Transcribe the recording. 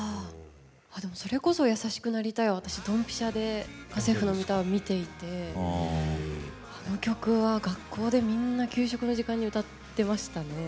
それこそ「やさしくなりたい」は私ドンピシャで「家政婦のミタ」を見ていてあの曲は学校でみんな給食の時間に歌ってましたね。